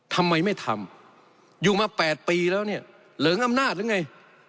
ทำไมไม่ทำอยู่มา๘ปีแล้วเนี่ยเหลิงอำนาจหรือไง